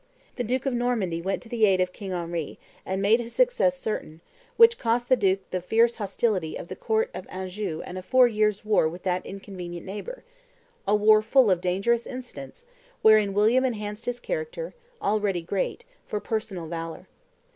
The duke of Normandy went to the aid of King Henry and made his success certain, which cost the duke the fierce hostility of the count of Anjou and a four years' war with that inconvenient neighbor; a war full of dangerous incidents, wherein William enhanced his character, already great, for personal valor.